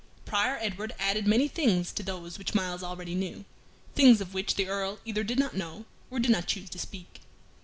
Prior Edward added many things to those which Myles already knew things of which the Earl either did not know, or did not choose to speak.